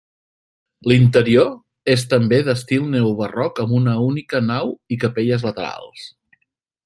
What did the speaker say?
L'interior és també d'estil neobarroc amb una única nau i capelles laterals.